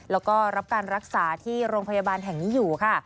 แล้วก็รับการรักษาที่โรงพยาบาลแห่งนี้อยู่ค่ะ